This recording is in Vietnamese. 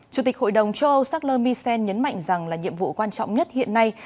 chủ tịch hội đồng châu âu sarkomysen nhấn mạnh rằng nhiệm vụ quan trọng nhất hiện nay